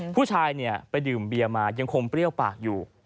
ผู้ชายไปดื่มเบียมายังคงเปรี้ยวปากอยู่